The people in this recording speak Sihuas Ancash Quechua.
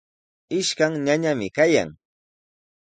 Ishkan ñañami kayan.